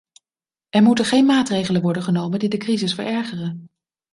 Er moeten geen maatregelen worden genomen die de crisis verergeren.